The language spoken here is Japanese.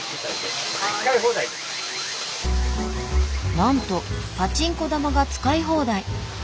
なんとパチンコ玉が使い放題。